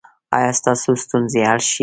ایا ستاسو ستونزې حل شوې؟